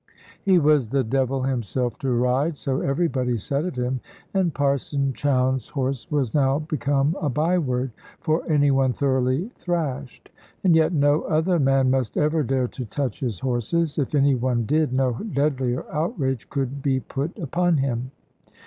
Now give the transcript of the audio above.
He was the devil himself to ride, so everybody said of him; and Parson Chowne's horse was now become a by word for any one thoroughly thrashed. And yet no other man must ever dare to touch his horses. If any one did, no deadlier outrage could be put upon him.